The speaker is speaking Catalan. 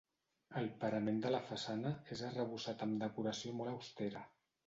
El parament de la façana és arrebossat amb decoració molt austera.